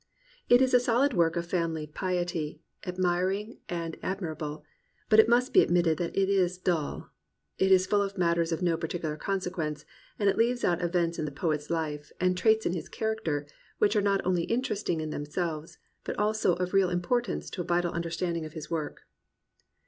It is a solid work of family piety, admiring and admi rable; but it must be admitted that it is dull. It is full of matters of no particular consequence, and it leaves out events in the poet's life and traits in his character which are not only interesting in themselves but also of real impn^rtance to a vital understanding of his work.